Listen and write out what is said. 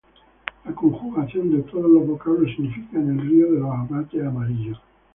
La conjugación de todos los vocablos significa "En el río de los amates amarillos".